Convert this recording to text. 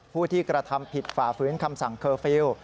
ผู้ที่กระทำผิดฝ่าฝืนคำสั่งเคอร์ฟิลล์